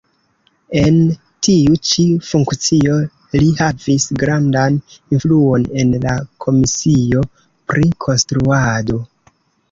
En tiu ĉi funkcio li havis grandan influon en la komisio pri konstruado.